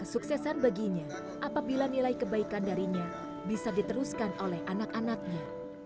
kesuksesan baginya apabila nilai kebaikan darinya bisa diteruskan oleh anak anaknya